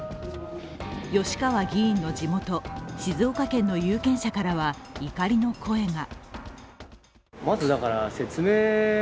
吉川議員の地元・静岡県の有権者からは怒りの声が。